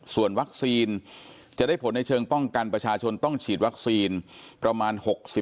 ส่วนวัคซีนจะได้ผลในเชิงป้องกันประชาชนต้องฉีดวัคซีนประมาณ๖๐